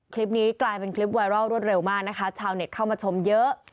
คลิปนี้กลายเป็นคลิปไวรัลรวดเร็วมากนะคะชาวเน็ตเข้ามาชมเยอะ